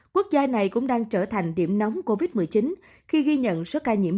quốc gia này cũng đang trở thành điểm nóng covid một mươi chín khi ghi nhận số ca nhiễm